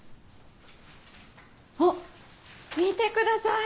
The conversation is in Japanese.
あっ見てください。